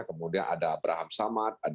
kemudian ada braham samad